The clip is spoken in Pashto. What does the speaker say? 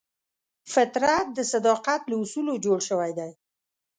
فطرت د صداقت له اصولو جوړ شوی دی.